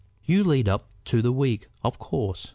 You lead up to the weak, of course."